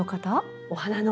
お花の。